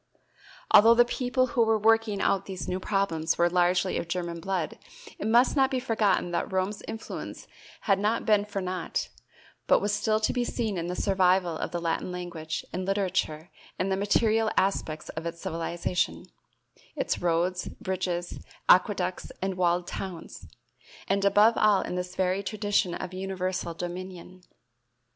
Although the people who were working out these new problems were largely of German blood, it must not be forgotten that Rome's influence had not been for naught, but was still to be seen in the survival of the Latin language and literature and the material aspects of its civilization its roads, bridges, aqueducts and walled towns, and above all in this very tradition of universal dominion.